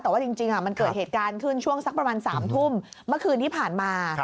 แต่ว่าจริงมันเกิดเหตุการณ์ขึ้นช่วงสักประมาณ๓ทุ่มเมื่อคืนที่ผ่านมา